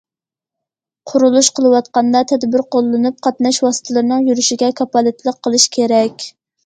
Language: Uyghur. قۇرۇلۇش قىلىۋاتقاندا، تەدبىر قوللىنىپ، قاتناش ۋاسىتىلىرىنىڭ يۈرۈشىگە كاپالەتلىك قىلىش كېرەك.